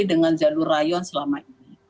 dengan jalur rayon selama ini